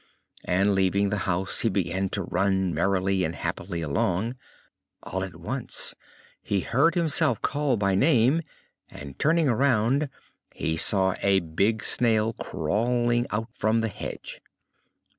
And, leaving the house, he began to run merrily and happily along. All at once he heard himself called by name and, turning around, he saw a big Snail crawling out from the hedge.